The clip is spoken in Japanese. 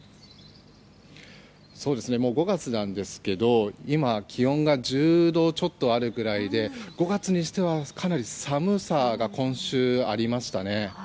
もう５月なんですけど今、気温が１０度ちょっとあるぐらいで５月にしてはかなり寒さが今週ありましたね。